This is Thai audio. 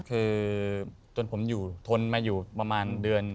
คือจนผมอยู่ทนมาอยู่ประมาณเดือน